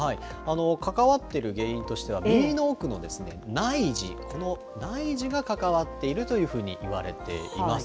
関わっている原因としては、耳の奥の内耳、この内耳が関わっているというふうにいわれています。